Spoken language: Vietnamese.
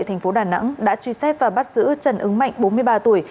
thành phố đà nẵng đã truy xét và bắt giữ trần ứng mạnh bốn mươi ba tuổi